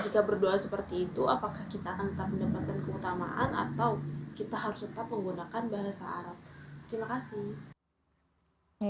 jika berdoa seperti itu apakah kita akan tetap mendapatkan keutamaan atau kita harus tetap menggunakan bahasa arab